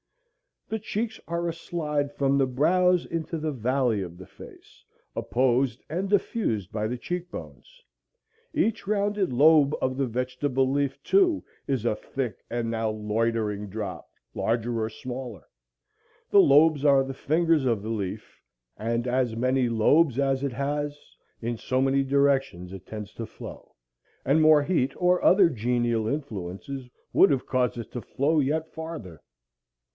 The cheeks are a slide from the brows into the valley of the face, opposed and diffused by the cheek bones. Each rounded lobe of the vegetable leaf, too, is a thick and now loitering drop, larger or smaller; the lobes are the fingers of the leaf; and as many lobes as it has, in so many directions it tends to flow, and more heat or other genial influences would have caused it to flow yet farther.